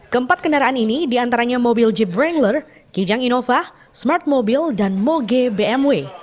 keempat kendaraan ini diantaranya mobil jeep wrangler kijang innova smartmobil dan moge bmw